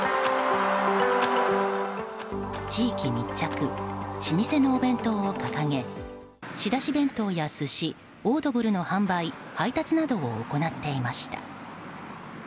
地域密着、老舗のお弁当を掲げ仕出し弁当や寿司オードブルの販売配達などを行っていました。